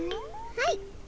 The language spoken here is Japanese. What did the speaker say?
はい。